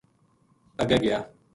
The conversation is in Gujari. اَگے گیا